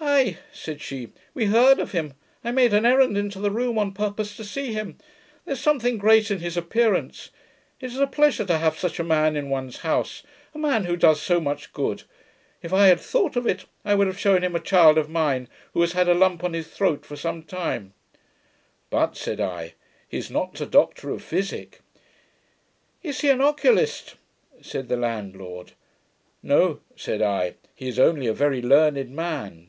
'Ay,' said she, 'we heard of him, I made an errand into the room on purpose to see him. There's something great in his appearance: it is a pleasure to have such a man in one's house; a man who does so much good. If I had thought of it, I would have shewn him a child of mine, who has had a lump on his throat for some time.' 'But,' said I, 'he is not a doctor of physick.' 'Is he an oculist?' said the landlord. 'No,' said I, 'he is only a very learned man.'